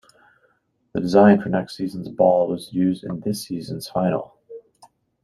The design for next season's ball was used in this season's final.